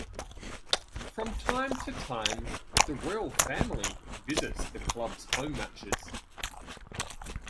From time to time the royal family visits the clubs home matches.